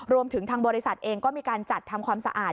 รวมถึงทางบริษัทเองก็มีการจัดทำความสะอาด